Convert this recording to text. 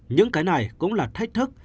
những cái này cũng là thách thức